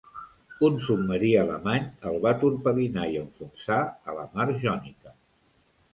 Un submarí alemany el va torpedinar i enfonsar a la mar Jònica.